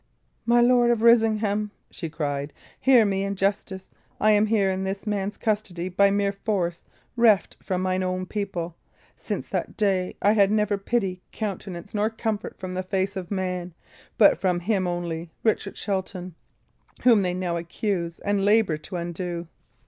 "My Lord of Risingham," she cried, "hear me, in justice. I am here in this man's custody by mere force, reft from mine own people. Since that day I had never pity, countenance, nor comfort from the face of man but from him only Richard Shelton whom they now accuse and labour to undo.